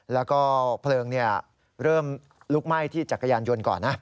แล้วก็เพลิงเริ่มลุกไหม้ที่จักรยานยนต์ก่อนนะ